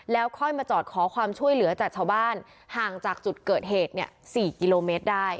แล้วค่อยมาจอดขอความช่วยเหลือจากชาวบ้านห่างจากจุดเกิดเหตุ๔กิโลเมตรได้